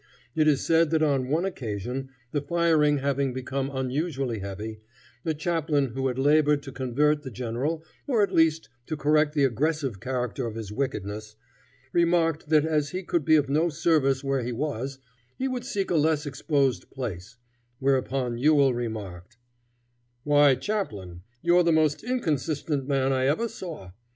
It is said that on one occasion, the firing having become unusually heavy, a chaplain who had labored to convert the general, or at least to correct the aggressive character of his wickedness, remarked that as he could be of no service where he was, he would seek a less exposed place, whereupon Ewell remarked: "Why, chaplain, you're the most inconsistent man I ever saw.